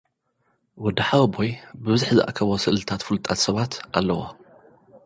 ወዲ ሓወቦይ፡ ብብዝሒ ዝኣከቦ ስእልታት ፍሉጣት ሰባት ኣለዎ።